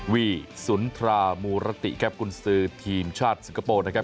วีสุนทรามูรติครับกุญสือทีมชาติสิงคโปร์นะครับ